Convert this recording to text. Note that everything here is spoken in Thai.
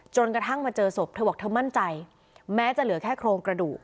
จนกระทั่งมาเจอศพเธอบอกเธอมั่นใจแม้จะเหลือแค่โครงกระดูก